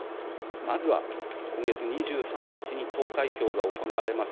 まずは今月２３日に投開票が行われます